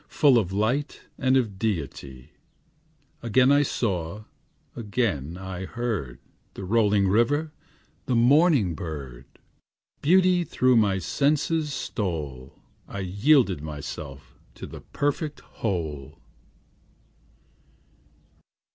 Full of light and of deity; Again I saw, again I heard, The rolling river, the morning bird; Beauty through my senses stole; I yielded myself to the perfect whole.